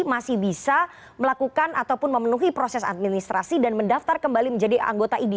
masih bisa melakukan ataupun memenuhi proses administrasi dan mendaftar kembali menjadi anggota idi